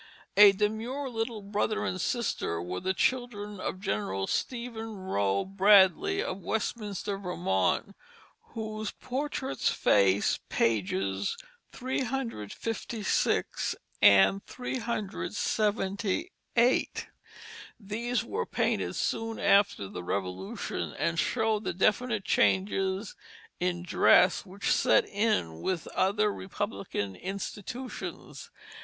A demure little brother and sister were the children of General Stephen Rowe Bradley of Westminster, Vermont, whose portraits face pages 356 and 378. These were painted soon after the Revolution, and show the definite changes in dress which set in with other Republican institutions.